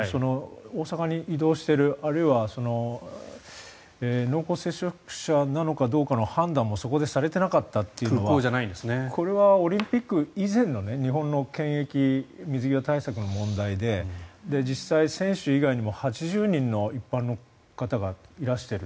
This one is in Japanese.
大阪に移動している、あるいは濃厚接触者なのかどうかの判断もそこでされていなかったというのはこれはオリンピック以前の日本の検疫水際対策の問題で実際、選手以外にも８０人の一般の方がいらしている。